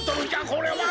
これは。